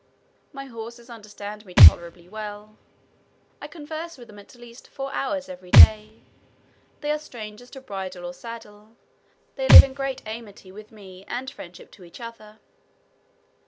My horses understand me tolerably well; I converse with them at least four hours every day. They are strangers to bridle or saddle; they live in great amity with me and friendship to each other.